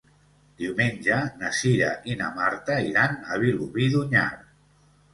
Diumenge na Cira i na Marta iran a Vilobí d'Onyar.